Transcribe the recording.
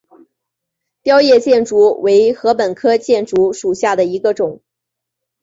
凋叶箭竹为禾本科箭竹属下的一个种。